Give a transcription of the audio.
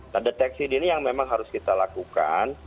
nah deteksi dini yang memang harus kita lakukan